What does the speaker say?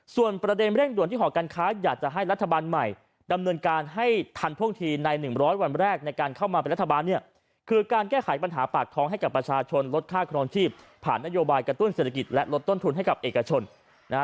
ส่วนประเด็นเร่งด่วนที่หอการค้าอยากจะให้รัฐบาลใหม่ดำเนินการให้ทันท่วงทีใน๑๐๐วันแรกในการเข้ามาเป็นรัฐบาลเนี่ยคือการแก้ไขปัญหาปากท้องให้กับประชาชนลดค่าครองชีพผ่านนโยบายกระตุ้นเศรษฐกิจและลดต้นทุนให้กับเอกชนนะฮะ